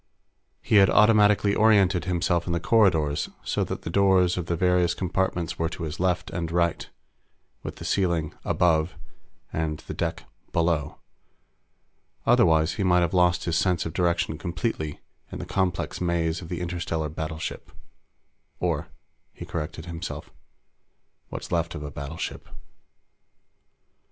He had automatically oriented himself in the corridors so that the doors of the various compartments were to his left and right, with the ceiling "above" and the deck "below." Otherwise, he might have lost his sense of direction completely in the complex maze of the interstellar battleship. Or, he corrected himself, what's left of a battleship.